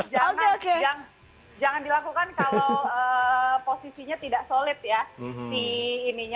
jadi mungkin bisa melakukan push up di atas meja seperti ini